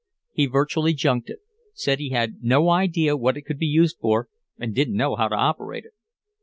"He virtually junked it. Said he had no idea what it could be used for, and didn't know how to operate it."